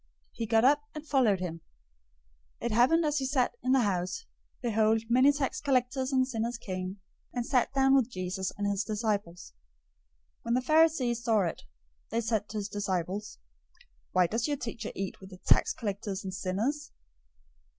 He got up and followed him. 009:010 It happened as he sat in the house, behold, many tax collectors and sinners came and sat down with Jesus and his disciples. 009:011 When the Pharisees saw it, they said to his disciples, "Why does your teacher eat with tax collectors and sinners?"